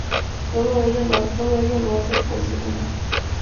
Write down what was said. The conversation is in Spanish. Todo ello lo hace por sí misma.